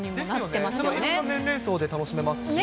いろいろな年齢層でも楽しめますし。